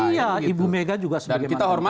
oh iya ibu megawati juga sebagai mantan presiden